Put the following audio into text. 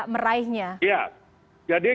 meraihnya ya jadi